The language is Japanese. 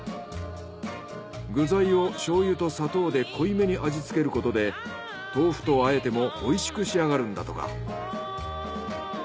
具材を醤油と砂糖で濃い目に味つけることで豆腐と和えてもおいしく仕上がるんだとか。